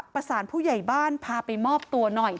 ประสานผู้ใหญ่บ้านพาไปมอบตัวหน่อย